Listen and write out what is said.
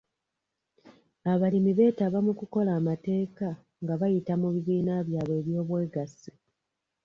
Abalimi beetaba mu kukola amateeka nga bayita mu bibiina byabwe by'obwegassi.